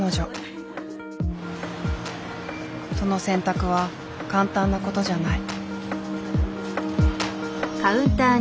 その選択は簡単な事じゃない。